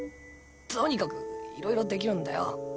とにかくいろいろできるんだよ。